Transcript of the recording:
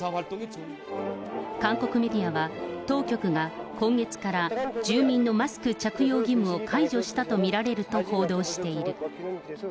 韓国メディアは、当局が今月から住民のマスク着用義務を解除したと見られると報道している。